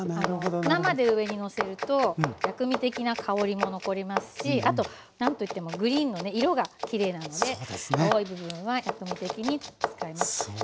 生で上にのせると薬味的な香りも残りますしあとなんといってもグリーンのね色がきれいなので青い部分は薬味的に使います。